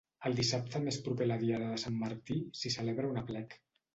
El dissabte més proper a la diada de sant Martí, s'hi celebra un aplec.